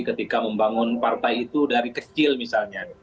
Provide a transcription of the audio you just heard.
ketika membangun partai itu dari kecil misalnya